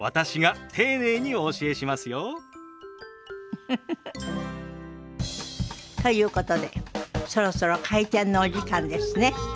ウフフフ。ということでそろそろ開店のお時間ですね。